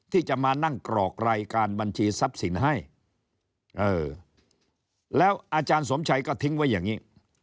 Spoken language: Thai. ที่จะมานั่งกรอกรายการบัญชีทรัพย์สินให้เออแล้วอาจารย์สมชัยก็ทิ้งไว้อย่างนี้